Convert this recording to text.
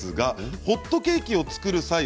ホットケーキを作る際です。